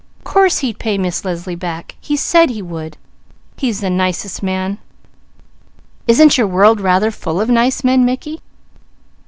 Course he'd pay Miss Leslie back. He said he would. He's the nicest man!" "Isn't your world rather full of nice men, Mickey?"